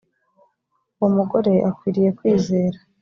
uwo mugore akwiriye kwizera